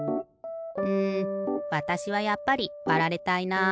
うんわたしはやっぱりわられたいな。